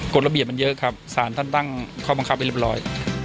ระเบียบมันเยอะครับสารท่านตั้งข้อบังคับให้เรียบร้อย